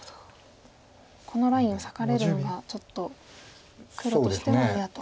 このラインを裂かれるのがちょっと黒としては嫌と。